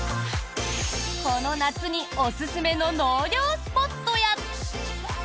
この夏におすすめの納涼スポットや。